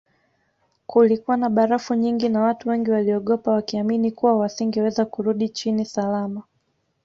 Kulikuwa na barafu nyingi na watu wengi waliogopa wakiamini kuwa wasingeweza kurudi chini salama